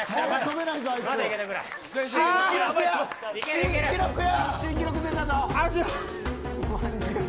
新記録や。